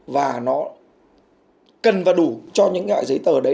và nó cần và đủ cho những loại giấy tờ đấy